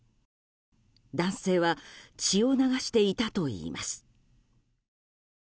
男性は血を流していたといいます。